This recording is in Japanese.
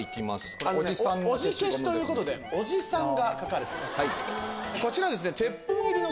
おじケシということでおじさんが描かれてます。